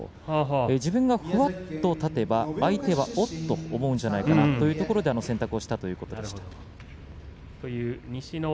自分がふわっと立てば相手はおっと思うのではないかということで、あの選択をしたということでした。